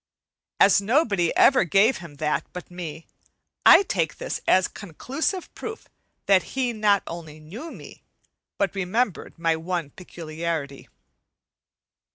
As nobody ever gave him that but me, I take this as conclusive proof that he not only knew me, but remembered my one peculiarity.